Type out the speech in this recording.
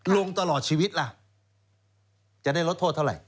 ลงตลอดชีวิตล่ะจะได้ลดโทษเท่าไหร